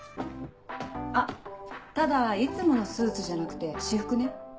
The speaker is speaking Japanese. あっただいつものスーツじゃなくて私服ね。